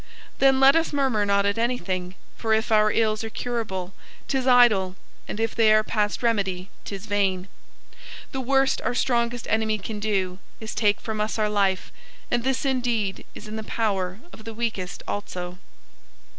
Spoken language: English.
Then let us murmur not at anything; For if our ills are curable, 'tis idle, And if they are past remedy, 'tis vain. The worst our strongest enemy can do Is take from us our life, and this indeed Is in the power of the weakest also.